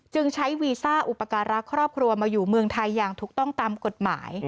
จึงใช้วีซ่าอุปการะครอบครัวมาอยู่เมืองไทยอย่างถูกต้องตามกฎหมาย